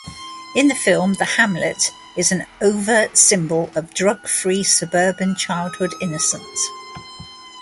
In the film, the hamlet is an overt symbol of drug-free suburban childhood innocence.